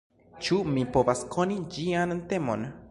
Ĉu mi povas koni ĝian temon?